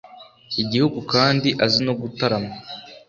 igihugu kandi azi no gutarama